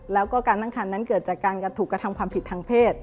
แล้วก็การตั้งคันนั้นเกิดจากการถูกกระทำความผิดทางเพศ